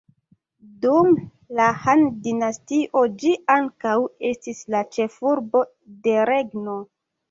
Dum la Han-dinastio ĝi ankaŭ estis la ĉefurbo de regno.